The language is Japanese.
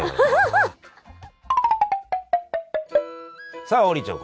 さあ王林ちゃん